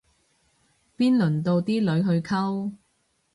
邊輪得到啲女去溝